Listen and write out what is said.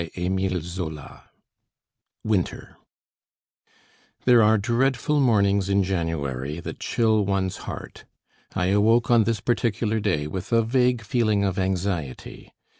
IV WINTER There are dreadful mornings in January that chill one's heart. I awoke on this particular day with a vague feeling of anxiety.